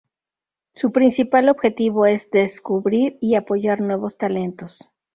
Su principal objetivo es descubrir y apoyar nuevos talentos.